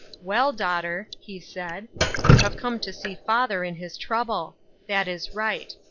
" Well, daughter," lie said, " you have come to see father in his trouble. That is right.